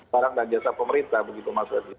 barang dan jasa pemerintah